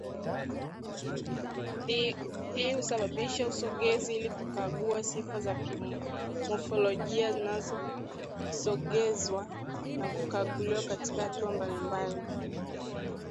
Hii husababisha usogezi ili kukagua sifa za kimofolojia zinasogezwa na kukaguliwa katika hatua mbalimbali